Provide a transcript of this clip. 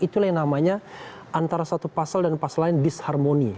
itulah yang namanya antara satu pasal dan pasal lain disharmoni